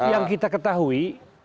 yang kita ketahui